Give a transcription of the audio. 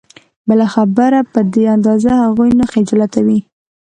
بله هېڅ خبره په دې اندازه هغوی نه خجالتوي.